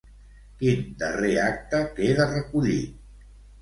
Quin darrer acte queda recollit?